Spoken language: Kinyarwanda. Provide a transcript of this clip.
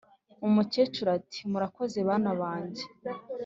umukecuru ati"murakoze bana banjye,